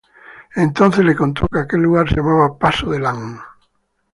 Entonces le contó que aquel lugar se llamaba Paso de Lan.